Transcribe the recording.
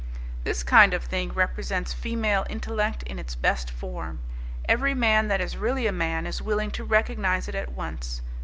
This kind of thing represents female intellect in its best form. Every man that is really a man is willing to recognize it at once.